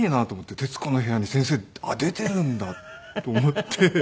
『徹子の部屋』に先生出ているんだと思って。